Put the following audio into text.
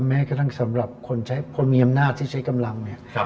แม้กระทั่งสำหรับคนใช้คนมีอำนาจที่ใช้กำลังเนี่ย